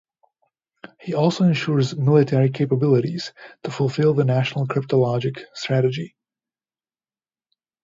He also ensures military capabilities to fulfill the National Cryptologic Strategy.